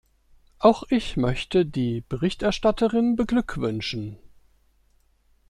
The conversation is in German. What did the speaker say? Auch ich möchte die Berichterstatterin beglückwünschen.